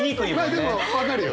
まあでも分かるよ。